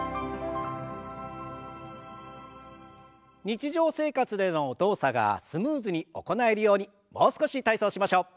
日常生活での動作がスムーズに行えるようにもう少し体操をしましょう。